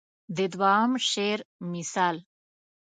د دوهم شعر مثال.